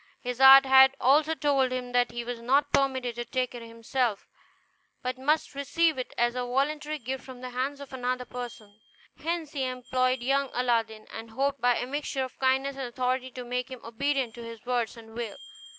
His art had also told him that he was not permitted to take it himself, but must receive it as a voluntary gift from the hands of another person. Hence he employed young Aladdin, and hoped by a mixture of kindness and authority to make him obedient to his word and will.